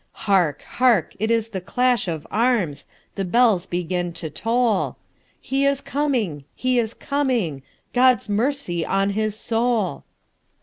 Hark! hark! it is the clash of arms—The bells begin to toll—"He is coming! he is coming! God's mercy on his soul!"